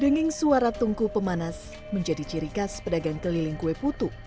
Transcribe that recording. denging suara tungku pemanas menjadi ciri khas pedagang keliling kue putu